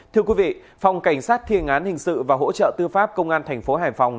thưa quý vị phòng cảnh sát thiên án hình sự và hỗ trợ tư pháp công an thành phố hải phòng